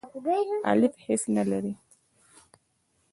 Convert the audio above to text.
الیف هیڅ نه لری.